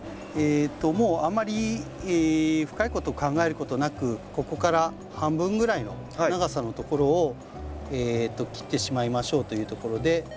もうあまり深いことを考えることなくここから半分ぐらいの長さのところを切ってしまいましょうというところで。